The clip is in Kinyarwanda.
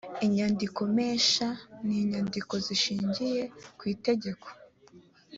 inyandikompesha ni inyandiko zishingiye kwitegeko